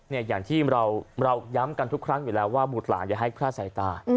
อย่างที่เราย้ำกันทุกครั้งอยู่แล้วว่าบุตรหลานอย่าให้พลาดสายตา